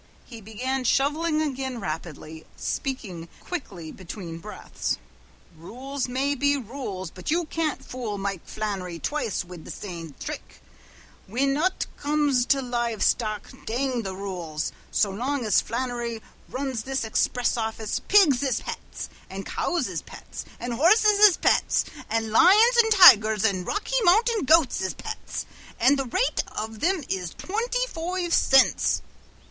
He began shoveling again rapidly, speaking quickly between breaths. "Rules may be rules, but you can't fool Mike Flannery twice wid the same thrick whin ut comes to live stock, dang the rules. So long as Flannery runs this expriss office pigs is pets an' cows is pets an' horses is pets an' lions an' tigers an' Rocky Mountain goats is pets an' the rate on thim is twinty foive cints."